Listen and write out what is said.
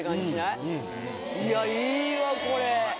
いやいいわこれ。